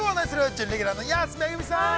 準レギュラーの安めぐみさん。